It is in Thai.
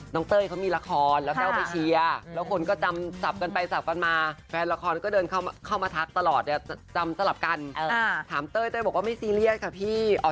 น้องเต้ยเขามีละครแล้วเต้ยไปเชียร์